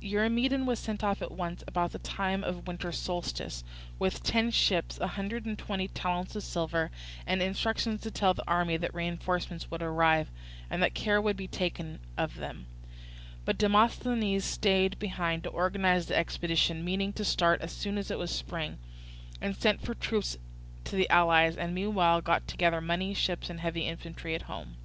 Eurymedon was sent off at once, about the time of the winter solstice, with ten ships, a hundred and twenty talents of silver, and instructions to tell the army that reinforcements would arrive, and that care would be taken of them; but Demosthenes stayed behind to organize the expedition, meaning to start as soon as it was spring, and sent for troops to the allies, and meanwhile got together money, ships, and heavy infantry at home.